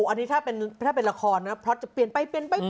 อันนี้ถ้าเป็นละครนะพล็อตจะเปลี่ยนไปเปลี่ยนไป